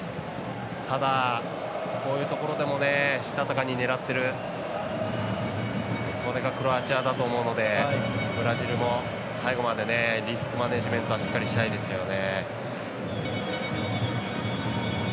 ただ、こういうところでもしたたかに狙っているそれがクロアチアだと思うのでブラジルも最後までリスクマネージメントはしっかりしたいですよね。